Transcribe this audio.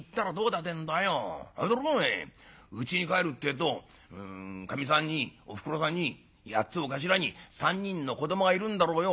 あれだろお前うちに帰るってえとかみさんにおふくろさんに８つを頭に３人の子どもがいるんだろうよ。